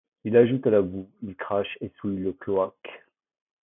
Il ajoute à la boue, il crache et souille le cloaque.